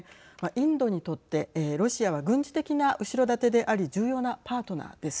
インドにとってロシアは軍事的な後ろ盾であり重要なパートナーです。